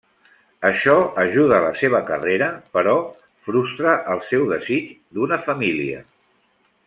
Això ajuda la seva carrera però frustra el seu desig d'una família.